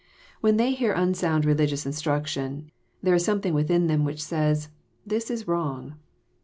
When they hear unsound religious instraction, there is something within them which says, "This is wrong."